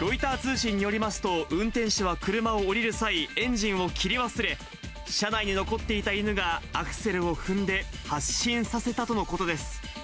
ロイター通信によりますと、運転手は車を降りる際、エンジンを切り忘れ、車内に残っていた犬がアクセルを踏んで発進させたとのことです。